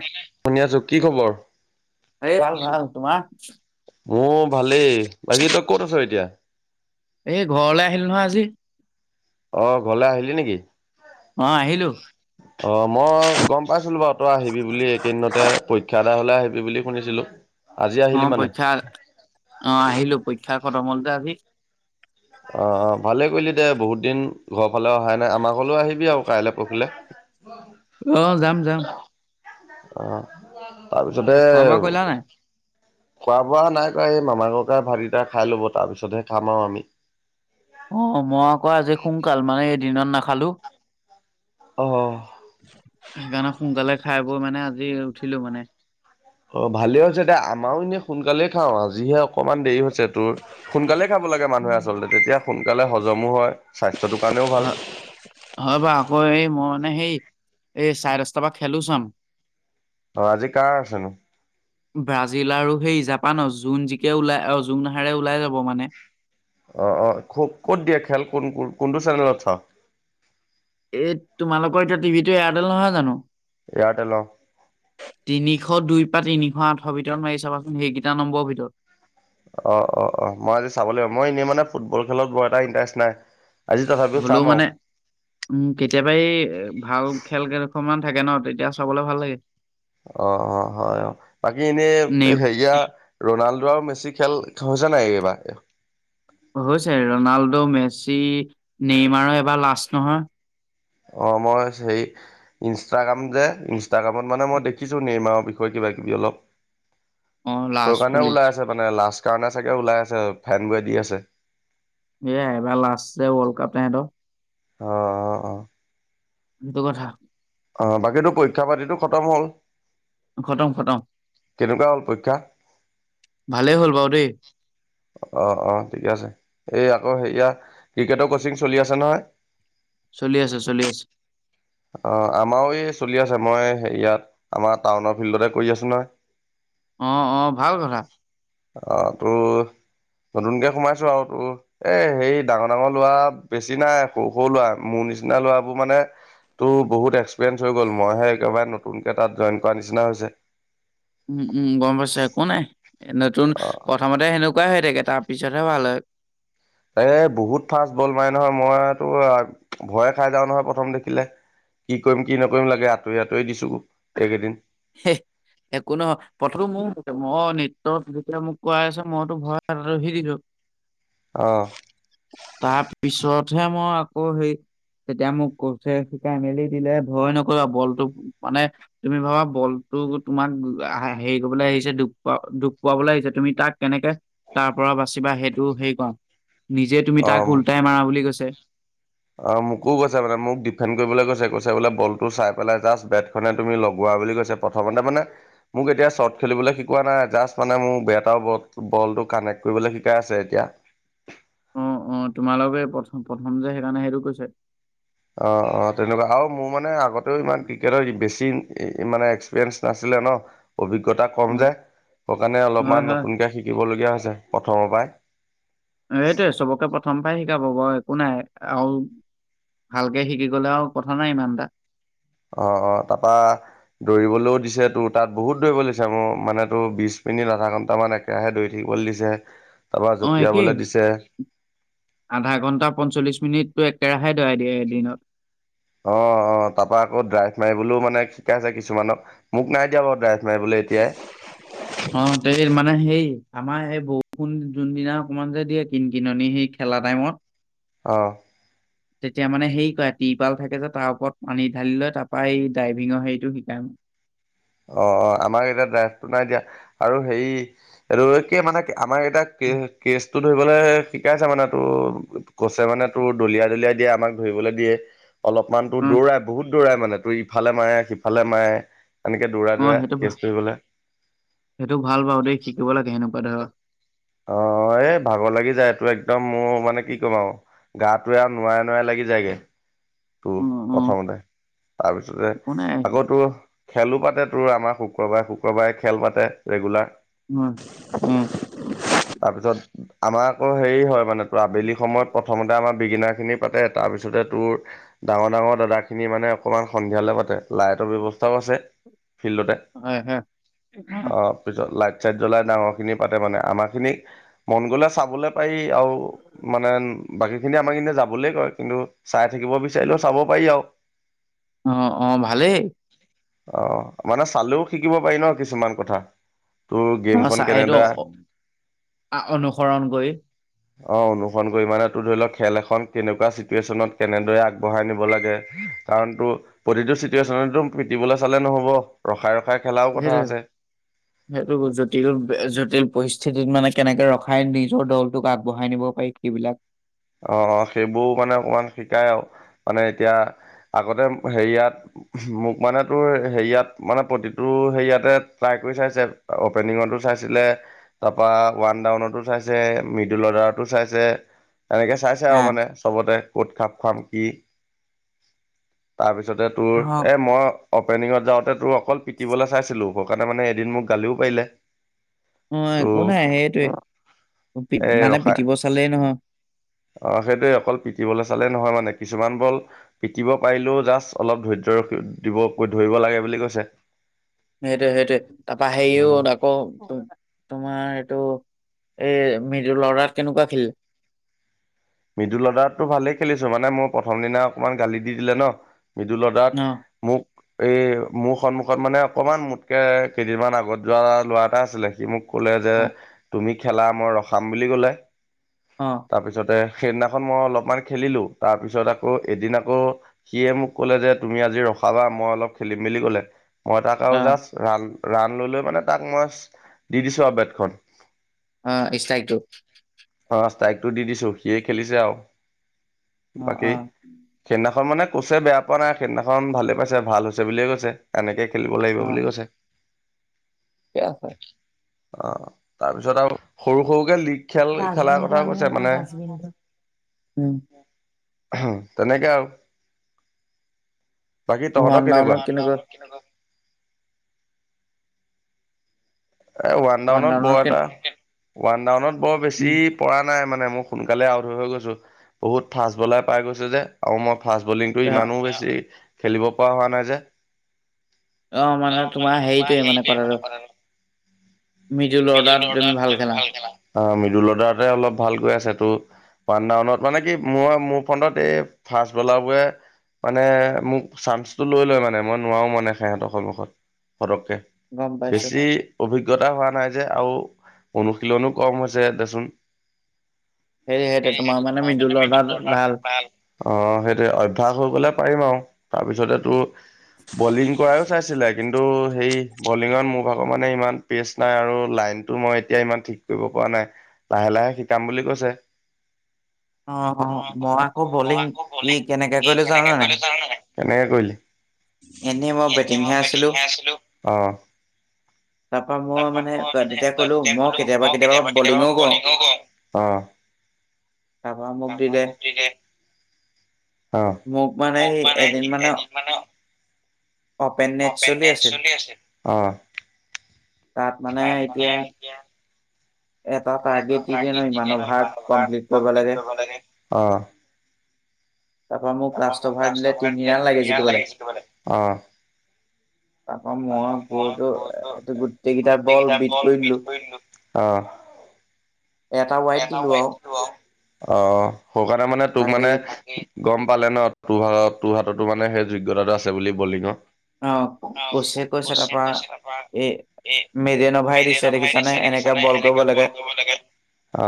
[unintelligible] শুনি আছো, কি খবৰ? এই ভাল ভাল তোমাৰ? [unintelligible] মোৰ ভালেই, বাকী তই কত আছ এতিয়া? এই, ঘৰলে আহিলো নহয় আজি। অ', ঘৰলে আহিলি নেকি? অ', আহিলো। অ', মই গম পাইছিলো বাৰু তই আহিবি বুলি, এইকেইদিনতে পৰীক্ষা এডাই হলে আহিবি বুলি শুনিছিলো। আজি আহিলি অ', মানে পৰীক্ষা অ', আহিলো, পৰীক্ষা খতম হল যে আজি। অ', অ', ভালে কৰিলি দে, বহুত দিন ঘৰৰ ফালে অহাই নাই আমাৰ ঘলেও আহিবি আৰু কাইলে। পখিলে অ', যাম, যাম। অ', তাৰপিছতে খোৱা বোৱা কৰিলা নাই? খোৱা বোৱা নাই কৰা, এই মামা ককাই ভাতকেইটা খাই ল'ব, তাৰ পিছতহে খাম আৰু আমি অ', মই আকৌ আজি সোনকাল, মানে এই দিনত নাখালো। অহ সেইকাৰণে সোনকালে খাই বৈ মানে আজি উঠিলো মানে। অ', ভালে হৈছে দিয়া, আমাৰও এনেই সোনকালে খাওঁ, আজিহে অকনমান দেৰি হৈছ চে তোৰ, সোনকালেই খাব লাগে মানুহে আচলতে, তেতিয়া, সোনকালে হজমো হয়, স্বাস্থ্যটোৰ কাৰণেও ভাল। হয় হয় বাৰু, আকৌ এই মই মানে, সেই এই চাৰে দশটা পা খেলো চাম। অ', আজি কাৰ আছেনো? ব্ৰাজিল আৰু সেই জাপানৰ, যোন জিকে ওলাই অ', যোন হাৰে ওলাই যাব মানে অ', অ', খ' ক'ত দিয়ে খেল, কোন, কোন, কোনটো চেনেলত চাৱ? এই, তোমালোকৰ এতিয়া টিভি টো এয়াৰটেল নহয় জানো? এয়াৰটেল অ' তিনিশ দুই পৰা তিনিশ আঠশৰ ভিতৰত মাৰি চাবাচোন, সেইকেইটা নম্বৰৰ ভিতৰত অ', অ', অ', মই আজি চাব লাগিব, মই এনেই মানে ফুটবল খেলত বৰ এটা ইণ্টাৰেষ্ট নাই। আজি তথাপিও চাম হ'লেও আৰু মানে উম, কেতিয়াবা এই ভাল খেল কেইখনমান থাকে ন'তেতিয়া চাবলে ভাল লাগে। অ', অ', হয়, অ', বাকী এনেই নে হেয়া ৰণাল্ডো আৰু মেছি খেল হৈছে নাই এইবাৰ? হৈছে ৰনাল্ডো মেচি নেইমাৰৰ এবাৰ লাষ্ট নহয়। অ মই হেৰি ইনষ্টাগ্ৰাম যে, ইনষ্টাগ্ৰামত মানে মই দেখিছোঁ নেৰ্মমাৰৰ বিষয়ে কিব কিবি অলপ অ', সেই লাষ্ট কাৰণে বুলি ওলাই আছে মানে লাজ কাৰণে চাগে ওলাই আছে, ফেন বোৰে দি আছে। ইয়াই এবাৰ লাষ্ট যে ৱৰ্ল্ড কাপ টো তেহেতৰ অ', অ', অ'। এইটো কথা। অ' বাকীটো পৰীক্ষা পাতিতো খতম হ'ল? খতম, খতম। কেনেকুৱা হ'ল পৰীক্ষা? ভালেই হ'ল বাৰু দেই অ', অ' ঠিকে আছে। এই আকৌ হেৰি নহয় ক্ৰিকেটৰ কচিং চলি আছে নহয় চলি আছে, চলি আছে। অ আমিও এই চলি আছে, মই হেৰীয়াত আমাৰ টাউনৰ ফিল্ডতে কৰি আছো নহয়। অ', অ' ভাল কথা। অ তোৰ, নতুনকে সোমাইছো আৰু তোৰ এ হেৰী ডাঙৰ ডাঙৰ ল'ৰা বেছি নাই, সৰু সৰু ল'ৰা মোৰ নিচিনা ল'ৰাবোৰ মানে তোৰ বহুত এক্সপিৰিয়েঞ্চ হৈ গ'ল মইহে একেবাৰে নতুনকৈ তাত জইন কৰা নিচিনা হৈছে। উম-উম গম পাইছো একো নাই, নতুন অ প্ৰথমতে সেনেকুৱাই হৈ থাকে তাৰ পিছতহে ভাল হয়। এ বহুত ফাষ্ট বল মাৰে নহয় ময়ে তোৰ ভয়ে খাই যাওঁ নহয়, প্ৰথম দেখিলে। কি কৰিম, কি নকৰিম লাগে আঁতৰি-আঁতৰি দিছো। এইকেইদিন হেহ একো নহয়। প্ৰথমে ময়ো ভয়, মই নেটত যেতিয়া মোক কোৱা হৈছে, মইতো ভয়ত ৰখি দিলো অহ'। তাৰপিছতহে মই আকৌ হেৰি তেতিয়া মোক কোচে শিকাই মেলি দিলে, ভয় নকৰিবা বলটোক মানে তুমি ভাবা বলটো তোমাক আ, হেৰি কৰিবলৈ আহিছে দু-দুখ পোৱাবলৈ আহিছে তুমি তাক কেনেকে তাৰ পৰা বাচিবা সেইটো হেৰি কৰা, নিজে তুমি তাক অ ওলটাই মাৰা বুলি কৈছে। অ মোকো কৈছে মানে মোক ডিফেণ্ড কৰিবলৈ কৈছে, কৈছে বোলে বলটো চাই পেলাই জাষ্ট বেট খনে তুমি লগোৱা বুলি কৈছে প্ৰথমতে মানে মোক এতিয়া শ্বৰ্ট খেলিবলৈ শিকোৱা নাই জাষ্ট মানে মোৰ বেট আৰু বলটো, বলটো কানেক্ট কৰিবলৈ শিকাই আছে এতিয়া। অ', অ' তোমালোকে প্ৰথম প্ৰথম যে সেইকাৰণে সেইটো কৈছে। অ', অ' তেনেকুৱা আৰু মোৰ মানে আগতেও ইমান ক্ৰিকেটৰ বেছি মানে এক্সপিৰিয়েন্ঞ্চ নাছিলে ন, অভিজ্ঞতা অ কম যে সেই কাৰণে হয় অলপমান হয় নতুনকে শি শিকিবলগীয়া হৈছে প্ৰথমৰ পৰাই। এইটোয়ে চবকে প্ৰথম পৰাই শিকাব বাৰু একো নাই আৰু ভালকে শিকি গ'লে আৰু কথা নাই ইমান এটা। অ', অ' তাৰ পৰা দৌৰিবলৈও দিছে তোৰ তাত বহুত দৌব ল দিছে মোৰ মানে তোৰ বিশ মিনিট আধা ঘণ্টামান এক ৰাহে দৈৰি থাকিবলৈ দিছে। তাৰপা অহ একে। জঁপিয়াবলৈ দিছে আধা ঘণ্টা পঞ্চল্লিশ মিনিটটো একেৰাহে দৰাই দিয়ে এদিনত অহ অহ তাৰ পৰা আকৌ ড্ৰাইভ মাৰিবলৈও মানে শিকাইছে কিছুমানক মোক নাই দিয়া বাৰু ড্ৰাইফ মাৰ বোলে এতিয়াই [inaudible] অ', তে মানে সেই আমাৰ এই বৰষুণ যোনদিনা অকমান যে দিয়ে কিন কিননি সি খেলা টাইমত অ'। তেতিয়া মানে হেৰি কয়, ট্ৰিপাল থাকে যে তাৰ ওপৰত পানী ঢালি লৈ তাৰ পা এই ড্ৰাইভিঙৰ হেৰিটো শিকায়। অ', অ', আমাক এতিয়া ড্ৰাইভটো নাই দিয়া আৰু হেৰি এটো আৰু কি মানে আমাৰ এতিয়া কেচ কেচ টো ধৰিবলে শিকাইছে মানে তোৰ কোচে মানে তোৰ দলিয়াই, দলিয়াই দিয়ে আমাক ধৰিবলে দিয়ে। অলপমানতো অ দৌৰাই, বহুত দৌৰাই মানে তোৰ ইফালে মাৰে সিফালে মাৰে। এনেকৈ দৌৰা, অ দৌৰা সেইটো ভা কেছ দিবলে সেইটো ভাল বাৰু দেই শিকিব লাগে সেনেকুৱা ধৰ অ', এ ভাগৰ লাগি যায়, এইটো একদম মোৰ মানে কি ক'ম আৰু গাটোৱে আৰু নোৱাৰে নোৱাই লাগি যায়গে। তো অ অ প্ৰথমতে তাৰপিছতে একো নাই আকৌ‌ তোৰ খেলো পাতে তোৰ আমাৰ শুক্ৰবাৰে, শুক্ৰবাৰে খেল পাতে ৰেগুলাৰ। উম, উম। তাৰপিছত আমাৰ আকৌ হেৰি হয় মানে আবেলি সময়ত প্ৰথমতে আমাৰ বিগিনাৰ খিনি পাতে তাৰপিছতে তোৰ ডাঙৰ, ডাঙৰ দাদা খিনি মানে অকমান সন্ধিয়ালৈ পাতে লাইটৰ ব্যৱস্থাও আছে ফিল্ডতে। হয়, হয় ইভাগ। অ', পিছত লাইট চাইট জ্বলাই ডাঙৰ খিনি পাতে মানে আমাৰ খিনিক মন গ'লে চাবলৈ পাৰি। আৰু মানে বাকী খিনি আমাক কিন্তু যাবলৈ কয় কিন্তু চাই থাকিব বিচ বিচাৰিলেও চাব পাৰি আৰু। অ', অ', ভালেই। অ', মানে চালেও শিকিব পাৰি ন কিছুমান কথা। তোৰ অ', গেমখন চাহ এইটো কেনেদৰে অনুসৰণ কৰি অ', অনুসৰণ কৰি মানে ত ধৰি লওঁক খেল এখন কেনেকুৱা চিটুৱেশ্যনত কেনেদৰে আ বঢ়াই নিব লাগে কাৰণ তো প্ৰতিটো চিটুৱেশ্যনতো পিটিবলৈ চালে নহ'ব। ৰখাই, ৰখাই খেলাও কথা সেইটোৱে আছে। [inaudible] সেইটো জটিল, জটিল পৰিস্থিতিত মানে কেনেকে ৰখাই নিজৰ দলটোক আগবঢ়াই নিব পাৰি সিবিলাক। অ', অ', সেইবোৰও মানে অকমান শিকাই আৰু মানে এতিয়া আগতে হেৰিয়াত মোক মানে তোৰ হেৰিয়াত মানে প্ৰতিটো হেৰিয়াতে ট্ৰাই কৰি চাইছে। অপেনিঙতো চাইছিলে। তাৰপা ওৱান ডাউনতো চাইছে, মিডিল অৰ্ডাৰতো চাইছে। এনেকে চাইছে আৰু মানে চবতে, ক'ত খাপ খাম কি? তাৰপিছতে তোৰ, আহ এই মই অপেনিঙত যাওঁতে তোৰ অকল পিটিবলে চাইছিলোঁ। সেইকাৰণে মানে এদিন মোক গালিও পাৰিলে। অ', একো তোৰ নাই সেইটোৱেই, এই মানে ৰখাই পিটিব চালেই নহয়। অ', সেইটোৱেই অকল পিতিবলৈ চালেই নহয় মানে, কিছুমান বল পিটিব পাৰিলেও যাষ্ট অলপ ধৈৰ্য ৰখি দিব, ধৰিব লাগে বুলি কৈছে। সেইটোৱেই, সেইটোৱেই তাৰপা হেৰিও অ ত অ', তোমাৰ এইটো এই মিডল অৰ্ডাৰত কেনেকুৱা খেলিলা? মিডুল অৰ্ডাৰততো ভালেই খেলিছোঁ, মানে মোৰ প্ৰথম দিনা অকণমান গালি দি দিলে ন। মিদুল অৰ্ডাৰত অ মোক এই মোৰ সন্মুখত মানে অকমান মোতকে কেইদিনমান আগত যোৱা ল'ৰা এটা আছিলে, সি মোক ক'লে যে, অ তুমি খেলা মই ৰখাম বুলি ক'লে। অ তাৰপিছতে সেইদিনাখন মই অলপমান খেলিলোঁ। তাৰপিছত আকৌ এদিন আকৌ সিয়ে মোক কলে যে তুমি আজি ৰখাবা মই অলপ খেলিম বুলি কলে। মই তাক আৰু অ জাষ্ট ৰান ৰাণ লৈ লৈ মানে, তাক মই দি দিছো আৰু বেটখন অ', ষ্টাইকটো। অ', ষ্ট্ৰাইকটো দি দিছো, সিয়েই খেলিছে আৰু, অ অ বাকী সেইদিনাখন মানে ক'ছে বেয়া পোৱা নাই, সেইদিনাখন ভালেই পাইছে, ভাল হৈছে বুলিয়েই কৈছে। এনেকেই খেলিব লাগিব বুলি কৈছে। বেয়া পাই। অ', তাৰ পিছত আৰু, সৰু সৰুকে লিগ ডাষ্টবিনটো আমি, অনা ডাষ্টবিনটো, উম। তেনেকেই আৰু, বাকী ওৱান তহঁতৰ কেনেকুৱা? ডাউনত এ ওৱান ডাউনত বৰ এটা, ওৱান ডাউনত বৰ উম বেছি, পৰা নাই মানে, মই সোনকালে আউট হৈ গৈছো, বহুত ফাষ্ট বলাৰ পাই গৈছে যে, আৰু মই ফাষ্ট বলিংটো অ ইমানো বেছি খেলিব পৰা হোৱা নাই যে। অ', মানে তোমাৰ হেইটোৱে মানে কথাটো। মীদুল অৰ্ডাৰত তুমি ভাল খেলা। মিদুল অৰ্ডাৰতে অলপ ভাল গৈ আছে তো। ওৱান ডাউনত, মানে কি মই মোৰ ফ্ৰণ্টত এই ফাষ্ট বলাৰবোৰে, মানে মোক চান্সটো লৈ লয় মানে, মই নোৱাৰো মানে সিহঁতৰ সন্মুখত ফটককে। গম পাইছো বেছি অভিজ্ঞতা হোৱা নাই যে, আৰু অনুশীলনো কম হৈছে, দেচোন। সেই সেইটোৱেই, তোমাৰ মানে মিদুল অৰ্ডাৰত ভাল। অ', সেইটোৱেই, অভ্যাস হৈ গ'লে পাৰিম আৰু। তাৰপিছতে তোৰ বলিং কৰাই চাইছিলে, কিন্তু হেৰি, বলিঙত মোৰভাগৰ মানে ইমান পেচ নাই আৰু লাইনটো মই এতিয়া ইমান ঠিক কৰিব পৰা নাই, লাহে লাহে শিকাম বুলি কৈছে। অ', মই অ', আকৌ মই বলিং আকৌ ই বলিং কেনেকে ই কৰিলো কেনেকে জানানে কৰিলো জাননে নাই? কেনেকে কৰিলি? এনেই মই বেটিং হে আছিলো। অঁ। তাৰপৰা মই মানে তেতিয়া ক'লো, মই কেতিয়াবা কেতিয়াবা বলিঙো কৰো। [inaudible] তাৰপা মোক দিলে। অ', মোক মানে এদিন মানে। অপেন মেটচ চলি আছে। অহ, তাত মানে এতিয়া এটা টাৰ্গেট দি দিয়ে ন, ইমান অভাৰত কমপ্লিট কৰিব লাগে। অ অ তাৰপৰা মোক লাষ্ট অভাৰ দিলে, তিনি ৰাণ লাগে জিকিবলে। তাৰপা মই গৈ টো গোটেইকেইটা বল বিট কৰি দিলো। অহ। ৱাইড এটা। দিলো [unintelligible] আৰু সৈকাৰণে মানে তোক মানে বাকী গম পালে ন, তোৰ হাতত, তোৰ হাততো মানে সেই যোগ্যতাটো আছে বুলি বলিঙৰ। অ', অ কোচে কৈছে তাৰপা কৈছে তাৰপৰা, এ এ মেডেনভাই দিছে মেদেন অভাৰ দেখিছানে দিছে, এনেকে দেখিছ নে বল কৰিব এনেকে লাগে। বল কৰিব লাগে। অ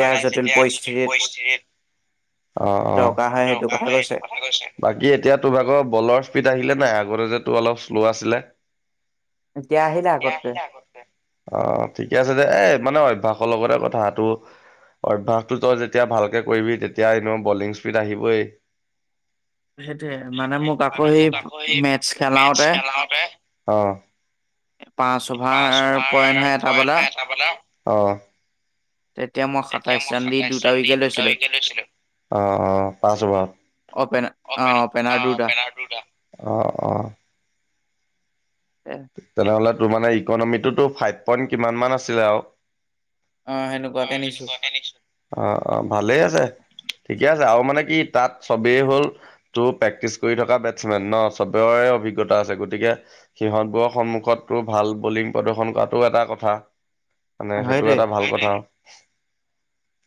মানে যেতিয়া জটিল পৰিস্থিতিত। অ অঁ, দৰকাৰ হয় সেইটো দৰকাৰ কথা হলে কৈছে। এইটো কথা কৈছে। বাকী এতিয়া তোৰ ভাগৰ বলৰ স্পীড আহিলে নাই। আগতে যে তোৰ অলপ শ্ল' আছিলে। এতিয়া আহিলে আগতকে। অ' ঠিকে আছে দে, এ মানে অভ্যাসৰ লগতে কথাটো। অভ্যাসটো তই যেতিয়া ভালকে কৰিবি, তেতিয়া এনেই বলিং স্পীড আহিবই। সেইটোয়ে, মানে মোক আকৌ সেই মেটছ খেলাওতে। [unintelligible] অ'। পাঁচ। পাঁচ অভাৰ পইণ্ট হয় এটা পৰে বলাৰ নহয় এটা বলাৰৰ। তেতিয়া মই সাতাইছ ৰাণ দি দুটা উইকেট লৈছিলোঁ। অ', অ', পাঁচ অভাৰত অপেন অ অ'পেনাৰ দুটা। [inaudible] অ', অ'। তেনেহলে তোৰ মানে ইকনমিটোতো ফাইভ পইন্ট কিমান মান আছিলে আও। অ', অ' সেনেকুৱাকে নিছো। সেনেকুৱা [unintelligible] অ' অ' ভালেই আছে, ঠিকে আছে আৰু মানে কি তাত চবেই হ'ল। তোৰ প্ৰেক্টিচ কৰি থকা বেটচমেন ন চবৰে অভিজ্ঞতা আছে। গতিকে সিহঁত সন্মুখততো ভাল বলিং প্ৰদৰ্শন কৰাটো এটা কথা। মানে সেইটো সেইটোৱে এটা ভাল কথা।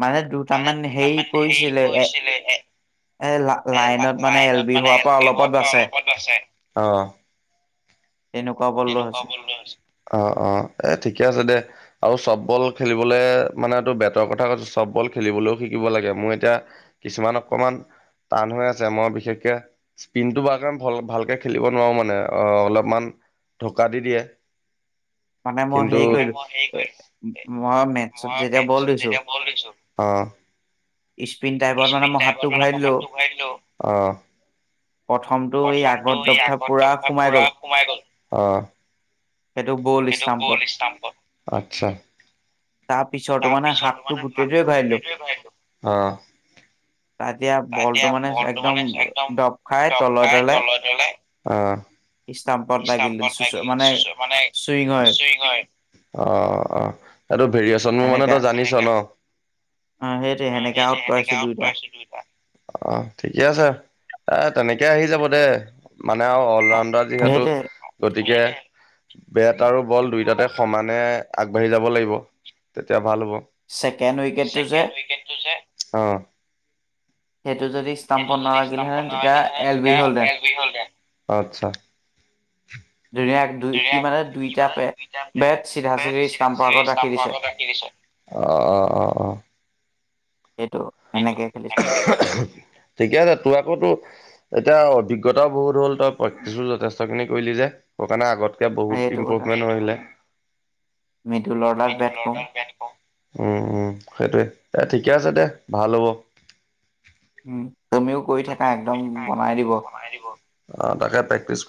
মানে মানে দুটামান দুটামান হেৰি পৰিছিলে এ কৰিছিলে। এ লা- এই মানে এল লাইনত বি মানে হোৱাৰ এল পৰা বি অলপত হোৱাৰ পৰা বাচে। অলপত আছে অ। তেনেকুৱা বল আছিল [unintelligible] অ' অ' ঠিকে আছে দে। আৰু চব বল খেলিবলৈ মানেটো বেটৰ কথা কৈছো চব বল খেলিবলৈও শিকিব লাগে। মোৰ এতিয়া কিছুমান অকমান টান হৈ আছে, মই বিশেষকে স্পিনটো [unintelligible] ভ ভালকে খেলিব নোৱাৰো মানে। অ' অলপমান ঢোকা দি দিয়ে। মানে মই কিন্তু হেৰি কৰিলো মই হে এ কৰি মই মেথছত মই যেতিয়া মেটচ বল দিছো যেতিয়া বল দিছো। অ' স্পিন টাইপত মানে মই হাতটো ঘূৰাই দিলো [unintelligible] প্ৰথমটো এই প্ৰথমটো আগত ই দফা পুৰা আগতপ সোমাই পুৰা গ'ল সোমাই গ'ল। অ'! সেইটো বল সেইটো গোল ষ্টাম্পত স্তাম্প। আচ্ছা! তাৰ পিছৰটো মানে তাৰপিছৰতো হাতটো মানে হাতটো গোটেটোৱেই ভৰাই দিলোঁ। [unintelligible] তাত এতিয়া বলটো মানে একদম দপ খাই তলে তলে অ'। ইস্তামপ ইষ্টামপত লাগি মানে চুইং হয় অ' অ' এইটো ভেৰিয়েচন মোৰ মানে সেনেকা তই জানিছ ন। অ সেইটোৱে সেনেকা সেইটো আউট সেনেকে কৰাইছো দুইটা [unintelligible] অ' ঠিকে আছে, এ তেনেকে আহি যাব দে মানে আৰু অল অ ৰাউণ্ডাৰ যিহে সেইটোৱে গতিকে, বেট আৰু বল দুয়টাতে সমানে আগবাঢ়ি যাব লাগিব, তেতিয়া ভাল হ'ব। উইকেটটো যে ছেকেণ্ড উইকেটটো যে, অ'। সেইটো যদি ষ্টাম্পত নালাগিলেহেঁতেন তেতিয়া এল বি হ'ল হেতেন। আটচ্ছা। ধুনীয়াক সি মানে দুইটা বে-বেট চিধা চিধি ষ্টামৰ আগত ৰাখি দিছে। অ' অ' অ' অ। সেইটো এনেকেই খেলিছো। ঠিকে আছে, তোৰ আকৌ তোৰ এতিয়া অভিজ্ঞতাও বহুত হ'ল, তই প্ৰেক্টিচো যথেষ্টখিনি কৰিলি যে। সেকাৰণে আগতকে বহুত সেইটো কথা ইম্প্ৰুভমেন্ট হৈ গেলে। মিডল অৰ্ডাৰত বেট [unintelligible] কৰো দাম। [unintelligible] উম, উম, সেইটোৱে, এ ঠিকে আছে দে। ভাল হ'ব। উম, তুমিও কৰি থাকা একদম বনাই দিব। বনাই দিব। অঁ, তাকে প্ৰেক্টিচ